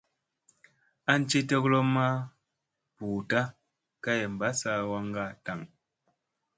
An ci togolomma maa buuta kay mbassa waŋŋa daŋ.